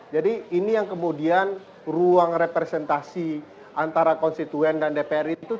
jadi ini yang kemudian ruang representasi antara konstituen dan dpr itu